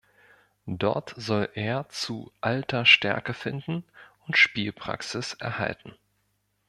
Dort soll er zu alter Stärke finden und Spielpraxis erhalten.